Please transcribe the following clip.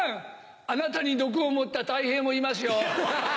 あなたに毒を盛ったたい平もいますよ。